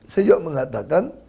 saya juga mengatakan